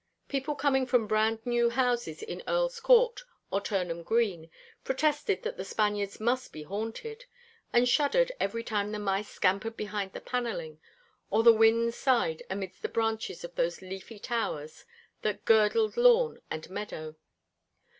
People coming from brand new houses in Earl's Court or Turnham Green protested that The Spaniards must be haunted; and shuddered every time the mice scampered behind the panelling, or the wind sighed amidst the branches of those leafy towers that girdled lawn and meadow.